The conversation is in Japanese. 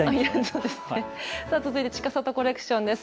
続いてちかさとコレクションです。